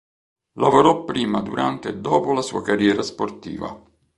Lavorò prima, durante e dopo la sua carriera sportiva.